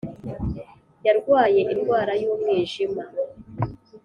Yarwaye indwara y’umwijima